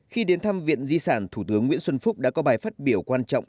khi đến thăm viện di sản thủ tướng nguyễn xuân phúc đã có bài phát biểu quan trọng